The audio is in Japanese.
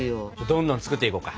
どんどん作っていこうか。